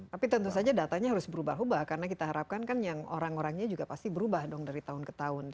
tapi tentu saja datanya harus berubah ubah karena kita harapkan kan yang orang orangnya juga pasti berubah dong dari tahun ke tahun